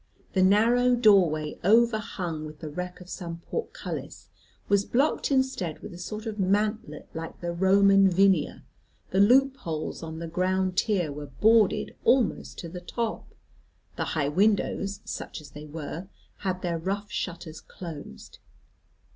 The narrow doorway overhung with the wreck of some portcullis, was blocked instead with a sort of mantlet like the Roman Vinea; the loopholes on the ground tier were boarded almost to the top, the high windows, such as they were, had their rough shutters closed.